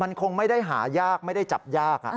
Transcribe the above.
มันคงไม่ได้หายากไม่ได้จับยาก